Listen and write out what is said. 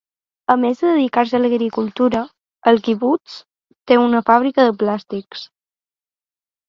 A més de dedicar-se a l'agricultura, el quibuts té una fàbrica de plàstics.